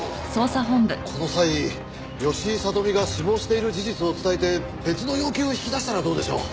この際吉井聡美が死亡している事実を伝えて別の要求を引き出したらどうでしょう？